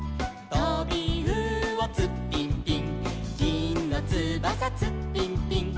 「とびうおツッピンピン」